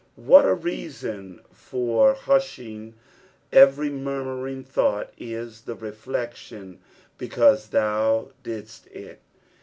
What a reason for hushing every murmuring thought is the reflec tion, " because thou didst it"!